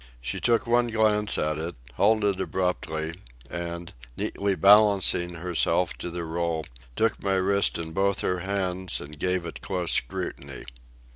She took one glance at it, halted abruptly, and, neatly balancing herself to the roll, took my wrist in both her hands and gave it close scrutiny.